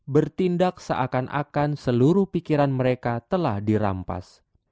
bertindak seakan akan seluruh pikiran mereka telah dirampas